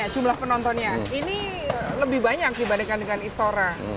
jumlah penontonnya ini lebih banyak dibandingkan dengan istora